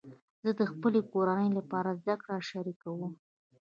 زه د خپلې کورنۍ لپاره زده کړه شریکوم.